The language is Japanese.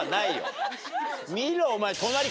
見ろお前。